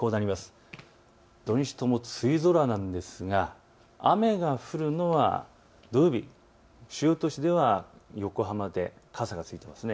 土日とも梅雨空なんですが雨が降るのは土曜日、主要都市では横浜で傘マークがついていますね。